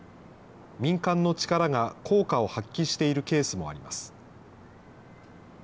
民間の力が効果を発揮しているケースもあります。